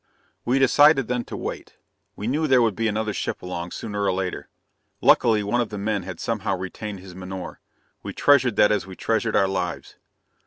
"We decided then to wait. We knew there would be another ship along, sooner or later. Luckily, one of the men had somehow retained his menore. We treasured that as we treasured our lives.